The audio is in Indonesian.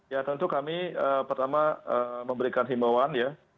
ya tentu kami pertama memberikan himbauan ya